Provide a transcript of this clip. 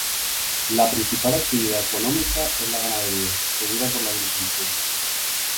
La principal actividad económica es la ganadería seguida por la agricultura.